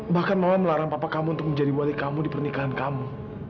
bahkan mama melarang bapak kamu untuk menjadi wali kamu di pernikahan kamu